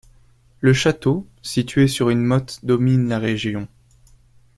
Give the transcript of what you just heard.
Le château, situé sur une motte domine la région.